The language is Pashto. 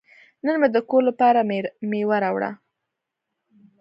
نن مې د کور لپاره میوه راوړه.